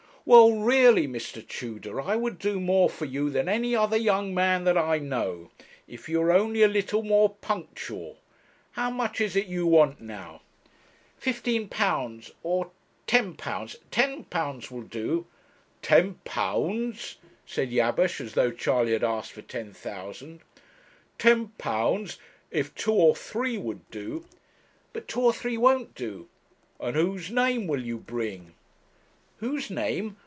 'Well, really, Mr. Tudor, I would do more for you than any other young man that I know, if you were only a little more punctual. How much is it you want now?' '£15 or £10 £10 will do.' 'Ten pounds!' said Jabesh, as though Charley had asked for ten thousand 'ten pounds! if two or three would do ' 'But two or three won't do.' 'And whose name will you bring?' 'Whose name!